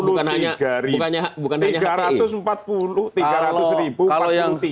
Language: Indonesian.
bukan hanya hti